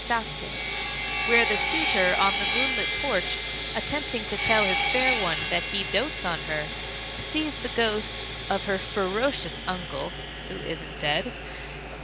Stockton, where the suitor on the moonlit porch, attempting to tell his fair one that he dotes on her, sees the ghost of her ferocious uncle (who isn't dead!)